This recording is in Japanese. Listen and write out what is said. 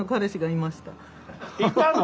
いたの？